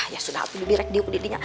ya sudah aku di rak diukurin